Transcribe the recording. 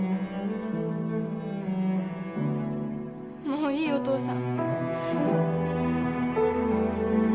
もういいよお父さん。